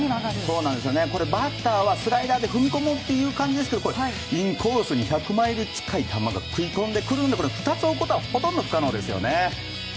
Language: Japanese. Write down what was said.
これ、バッターはスライダーで踏み込もうという感じですけどインコースに１００マイル近い球が食い込んでくるのでこれを追うことはほとんど不可能ですよね。